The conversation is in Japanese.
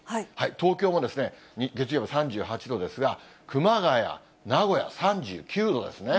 東京も月曜日３８度ですが、熊谷、名古屋、３９度ですね。